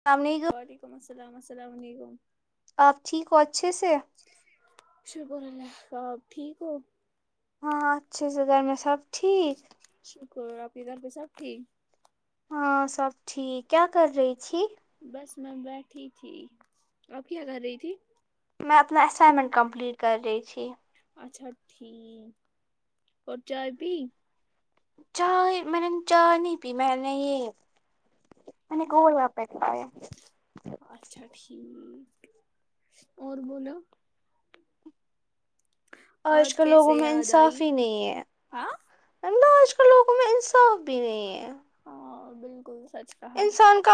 [unintelligible] وعلیکم السلام السلام علیکم آپ ٹھیک ہو اچھے سے شکر اللہ آب ٹھیک ہو ہاں اچھا سا گھر میں سب ٹھیک شکر آپ کے گھر پہ سب ٹھیک ہاں سب ٹھیک کیا کر رہی تھی بس میں بیٹھی تھی اپ کیا کر رہی تھی میں اپنا اسائنمنٹ کمپلیٹ کر رہی تھی اچھا ٹھیکاور چائے پی چائے میں نے چائے پی میں نے نہیں مینے گول و [unintelligible] اچھا ٹھیک اور بولو آج کل لوگوں میں انصاف ہی نہیں ہے آج کل لوگوں میں انصاف بھی نہیں ہے ہاں بالکل سچ انسان کا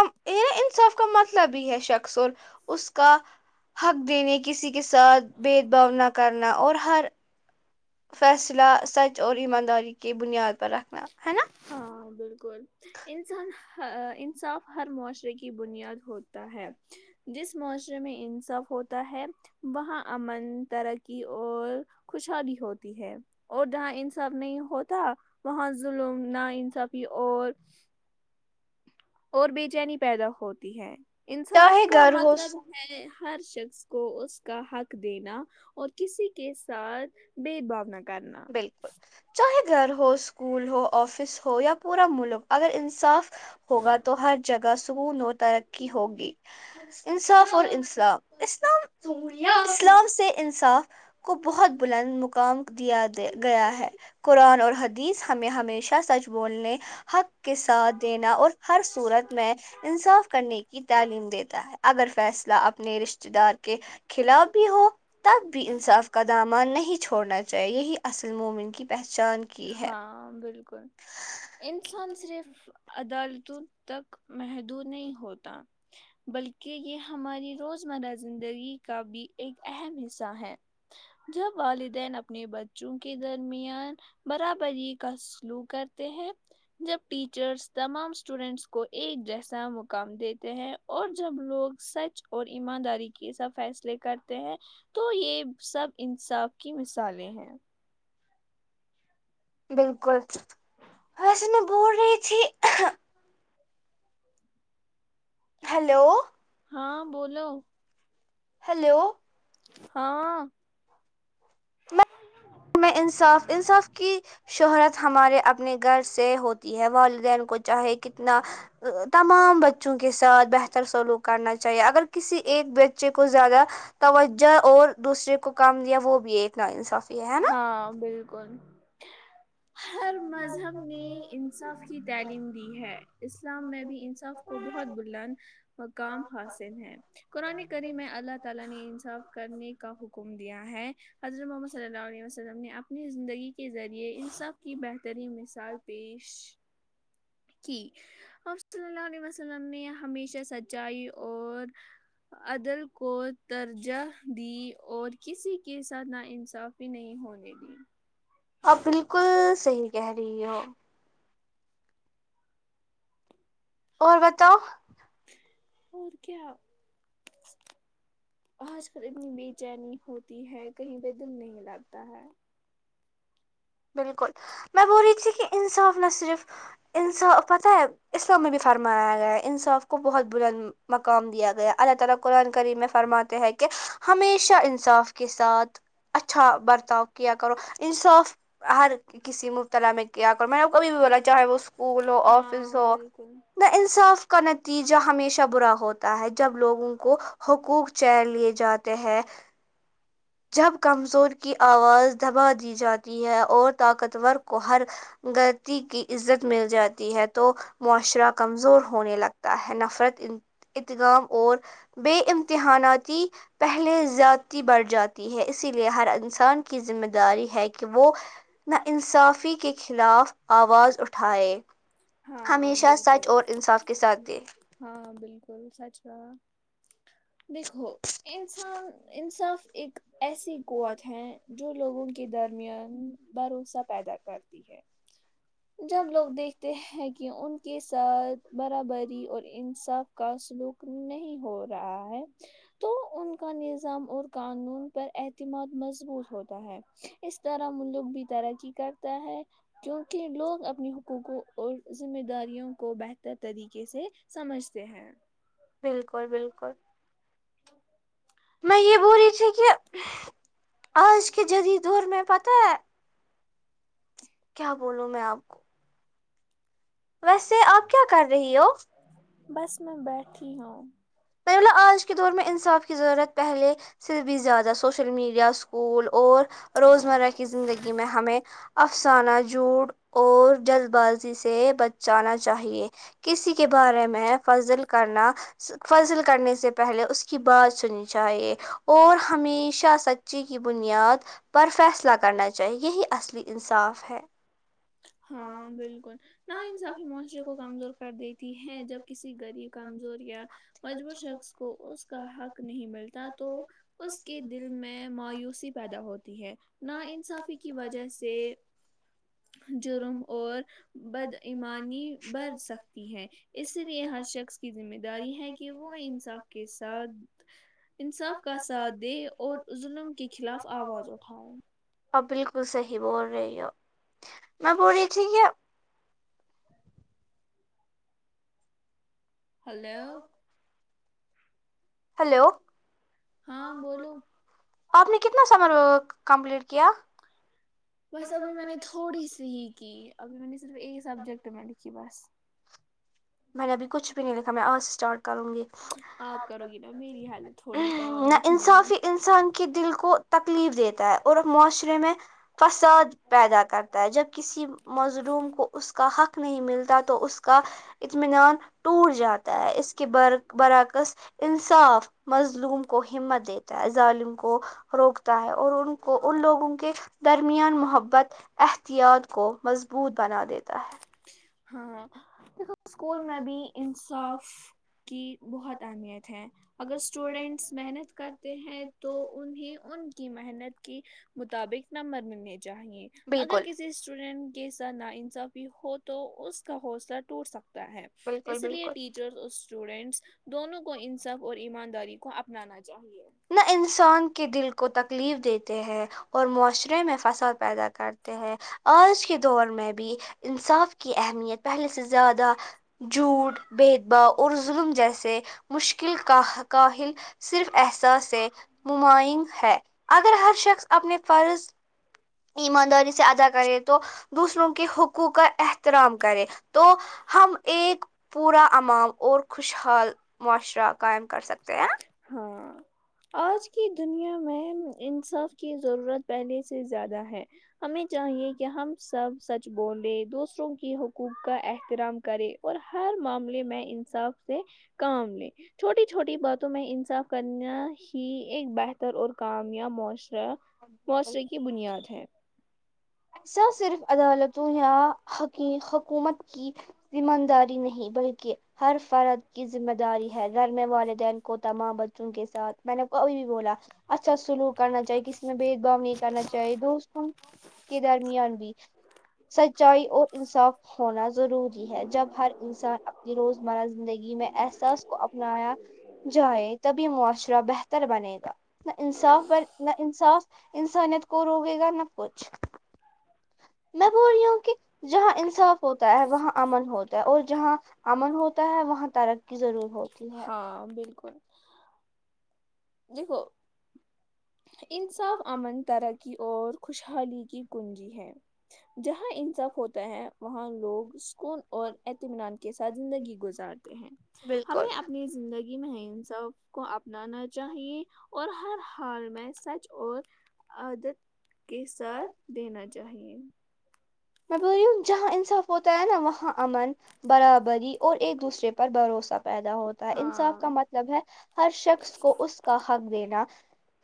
انصاف کا مطلب ہی ہے شخص اور اس کا حق دینے کسی کے ساتھ بے حد بھاؤ نہ کر اور ہر فیصلہ سچ اور ایمانداری کی بنیاد پر رکھنا نا ہے نا ہاں بالکل انسان انصاف ہر معاشرے کی بنیاد ہوتا ہے جس معاشرے میں انصاف ہوتا ہے وہاں امن ترقی اور خوشحالی ہوتی ہے اور جہاں انصاف نہیں ہوتا وہاں ظلم نا انصافی اور اور بےچینی پیدا ہوتی ہے انصاف کا مطلب ہے ہر شخص کو اس کا حق دینا اور کسی کے ساتھ بے بھاؤ نہ کر بالکل چاہے گھر ہو اسکول ہو آفس ہو یا پورا ملک اگر انصاف ہوگا تو ہر جگہ سکون اور ترقی ہوگی انصاف اور انصاف اسلام اسلام سے انصاف کو بہت بلند مقام دیا گیا ہے قرآن اور حدیث ہمیں ہمیشہ سچ بولنے حق کے ساتھ دینا اور ہر صورت میں انصاف کرنے کی تعلیم دیتا ہے اگر فیصلہ اپنے رشتتے دار کے خلاف بھی ہو تب بھی انصاف کا دامان نہیں چھوڑنا چاہیے یہ ہی اصل مومن کی پہچان ہاں بالکل انسان صرف عدالتوں تک محدود نہیں ہوتا بلکہ یہ ہماری روزمرہ زندگی کا بھی ایک اہم حصہ ہے جب والدین اپنے بچوں کے درمیان برابری کا سلو کرتے ہیں جب ٹیچرس تمام اسٹوڈینٹس کو ایک جیسا مقام دیتے ہیں اور جب لوگ سچ اور ایمانداری کے سب فیصلے کرتے ہیں تو یہ سب انصاف کی مثالیں ہیں بالکل وسے میں بول رہی تھی ہاں بولو ہیلو ہاں میں میں انصاف انصاف کی شہروت ہمارے اپنے گھر سے ہوتی ہے والدین کو چاہے کہ کتنا تمام بچوں کے ساتھ بہتر سلوک کرنا چاہیے اگر کسی ایک بچے کو زیادہ توجہ اور دوسرے کو کام دیا وہ بھی ایک نا انصاف ہاں بالکل ہر مذہب نے انصاف کی تعلیم دی ہے اسلام میں بھی انصاف وہ بہت بلان مقام حاصل ہے قرآن کری میں اللہ تعالی نے انصاف کرنے کا حکم دیا ہے حضرت محمد صلی اللہ علیہ وسلم نے اپنی زندگی کے ذریعے ان سب کی بہترین مثال پیش کی اب صلی اللہ علیہ وسلم نے ہمیشہ سچائی اور عدل کو درجہ دی اور کسی کے ساتھ نا انصاف بھی نہیں ہونے دی آپ بالکل صحیح کہہ رہی ہو اور بتاؤ اور کیا آج کل اتنی بے چینی ہوتی ہے کہیں پہ دل نہیں لگتا ہے بالکل میں بول رہی تھی کہ انصاف نہ صرف انسا پتہ ہے اسلام میں بھی فرمایا گیا ہے انصاف کو بہت بلند مقام دیا گیا اللہ تعالی قرآن کریم میں فرماتے ہیں کہ ہمیشہ انصاف کے ساتھ اچھا برتاؤ کیا کرو انصاف ہر ک کسی مبتلا میں کیا کر میں نے کبھی بھی بولا چاہے وہ اسکول ہو آفس ہو نا انصاف کا نتیجہ ہمیشہ برا ہوتا ہے جب لوگوں کو حقوق چیر لیے جاتے ہیں جب کمزور کی آواز دبا دی جاتی ہے اور طاقتور کو ہر غلطی کی عزت مل جاتی ہے تو معاشرہ کمزور ہونے لگتا ہے نفرت ان اتغام اور بے امتحاناتی پہلے زیادتی بڑھ جاتی ہے اسی لیے ہر انسان کی ذمہ داری ہے کہ وہ نا انصافی کے خلاف آواز اورٹ اٹھائے ہمیشہ سچ اور انصاف کے ساتھ دے ہاں بالکل سچ کہا دیکھو انسان انصاف ایک ایسی قوت ہے جو لوگوں کے درمیان بھروسہ پیدا کرتی ہے جب لوگ دیکھتے ہیں کہ ان کے ساتھ برابری اور انصاف کا سلوک نہیں ہو رہا ہے تو ان کا نظام اور قانون پر اعتماد مضبوط ہوتا ہے اس طرح ملک بھی ترقی کرتا ہے کیونکہ لوگ اپنی حقوق کو اور ذمہ داریوں کو بہتر طریقے سے سمجھتے ہیں بالکل بالکل میں یہ بولی تھی کہ آج کے جدید دور میں پتہ ہے کیا بولوں میں آپ کو ویسے آپ کیا کر رہی ہو بس میں بیٹھی ہوں پہلا آج کے دور میں انصاف کی ضرورت پہلے سے بھی زیادہ سوشل میڈیا اسکول اور روزمرہ کی زندگی میں ہمیں افسانہ جھوٹ اور جلد بازی سے بچ جانا چاہیے کسی کے بارے میں فضل کرنا فضل کرنے سے پہلے اس کی بات سنی چاہیے اور ہمیشہ سچی کی بنیاد پر فیصلہ کرنا چاہیے یہی اصلی انصاف ہے ہاں بالکل نہ انصافی معاشرے کو کمزور کر دیتی ہے جب کسی غریب کمزور یا مجبور شخص کو اس کا حق نہیں ملتا تو اس کے دل میں مایوسی پیدا ہوتی ہے نا انصافی کی وجہ سے جرم اور بدایمانی بڑ سکتی ہے اسی لیے ہر شخص کی ذمہ داری ہے کہ وہ انصاف کے ساتھ انصاف کا ساتھ دے اور ظلم کے خلاف آواز اٹھا [unintelligible] اور بالکل صحیح بول رہی ہو میں بول رہی تھی کہ ہلو ہلو آپ نے کتنا سمر کمپلیٹ کیا بس ابھی میں نے تھوڑی سی ہی کی ابھی میں نے صرف ایک سبجیکٹ میں لکھی بس میں نے ابھی کچھ بھی نہیں لکھا میں آج اسٹارٹ کروں گی آپ کرو گی نا میری حالت تھوڑی کام لکھنے میں انسان کے دل کو تکلیف دیتا ہے اور معاشرے میں فساد پیدا کرتا ہے جبکہ کسی مظلوم کو اس کا حق نہیں ملتا تو اس کا اطمینان ٹوٹ جاتا ہے اس کے بر برعکس انصاف مظلوم کو ہمت دیتا ہے ظالم کو روکتا ہے اور ان کو ان لوگوں کے درمیان محبت احتیاط کو مضبوط بنا دیتا ہے ہاں دیکھو اسکول میں بھی انصاف کی بہت اہمیت ہے اگر اسٹوڈینٹس محنت کرتے ہیں تو انہیں ان کی محنت کے مطابق نمبر ملنے چاہیے اگر کسی اسٹوڈینٹ کے ساتھ ناانصافی ہو تو اس کا حوصلہ ٹوٹ سکتا ہے اس لیے ٹیچرز اس اسٹوڈینٹس دونوں کو انصاف اور ایمانداری کو اپنانا چاہیے نہ انسان کے دل کو تکلیف دیتے ہیں اور معاشرے میں فساد پیدا کرتے ہیں آج کے دور میں بھی انصاف کی اہمیت پہلے سے زیادہ جھوٹ بید باؤ اور ظلم جیسے مشکل کا کاہل صرف سے ممائن ہے اگر ہر شخص اپنے فرض ایمانداری سے ادا کرے تو دوسروں کے حقوق کا احترام کرے تو ہم ایک پورا امام اور خوشحال معاشرہ قائم کر سکتے ہیں ہاں آج کی دنیا میں انصاف کی ضرورت پہلے سے زیادہ ہے ہمیں چاہیے کہ ہم سب سچ بولیں دوسروں کی حقوق کا احترام کرے اور ہر معاملے میں انصاف سے کام لے چھوٹی چھوٹی باتوں میں انصاف کرنا ہی ایک بہتر اور کامیاب معاش را معاشرے کی بنیاد ہے سا صرف عدالتوں یا ح حکومت کی امان داری نہیں بلکہ ہر فرد کی ذمہ داری ہے گھر میں والدین کو تمام بچوں کے ساتھ میں نے کبھی بھی بولا اچھا سلوک کرنا چاہیے کسی میں بھید بھاؤ نہیں کرنا چاہیے دوستوں درمیان بھی سچائی اور انصاف ہونا ضروری ہے ہر انسان اپنی روزمرہ زندگی میں احساس کو اپنایا جائے تبھی معاشرہ بہتر بنے گا نہ انصاف ب نہ انصاف انسانیت کو روکے گا نہ کو میں بول رہی ہوں کہ جہاں انصاف ہوتا ہے وہاں امن ہوتا اور جہاں امن ہوتا ہے وہاں ترقی ضرور ہو ہاں بالکل دیکھو انصاف امن ترقی اور خوشحالی کی کنجی ہے جہاں انصاف ہوتا ہے وہاں لوگ سکون اور اطمینان کے ساتھ زندگی گزارتے ہیں ہمیں اپنی زندگی میں انصاف کو اپنانا چاہیے اور ہر حال میں سچ اور عادت کے ساتھ دینا چاہیے میں بول رہی ہوں جہاں انصاف ہوتا ہے نا وہاں امن برابری اور ایک دوسرے پر بھروسہ پیدا ہوتا ہے انصاف کا مطلب ہے ہر شخص کو اس کا حق دینا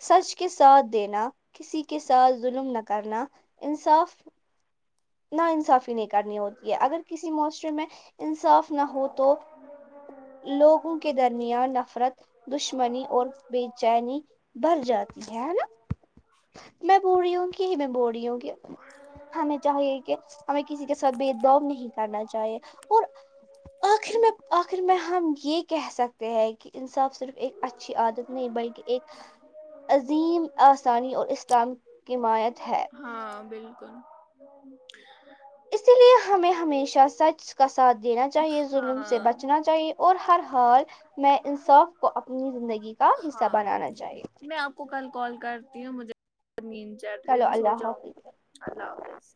سچ کے ساتھ دینا کسی کے ساتھ کرنا انصاف نہ انصافی نہیں کرنی ہوتی ہے اگر کسی معاشرے میں انصاف نہ ہو تو لوگوں کے درمیان نفرت دشمنی اور بے چینی بھر جاتی ہے نا میں بولر ہو کے ہی میں بولر ہو کے ہمیں چاہیے کہ ہمیں کسی کے ساتھ بھید بھاؤ نہیں کرنا چاہیے اور آخر میں آخر میں ہم یہ کہہ سکتے ہیں کہ انصاف صرف ایک اچھی عادت نہیں بلکہ ایک عظیم آسانی اور اسلام کی امایت ہے ہاں بالکل اسی لیے ہمیں ہمیشہ سچ کا ساتھ دینا چاہیے ظلم سے بچنا چاہیے اور ہر حال میں انصاف کو اپنی زندگی کا حصہ بنانا چاہیے آپ کو کل کال کرتی ہوں مجھے نیند چڑ رہی ہے میں سو جاؤں گی اللہ حافظ